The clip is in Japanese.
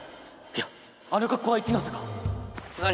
いやあの格好は一ノ瀬か何？